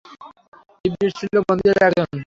ইবলীস ছিল বন্দীদের একজন।